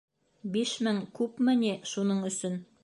Биш мең күпме ни шуның өсөн?